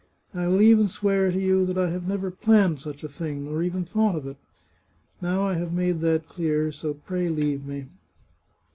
" I will even swear to you that I have never planned such a thing, nor even thought of it. Now I have made that clear, so pray leave me."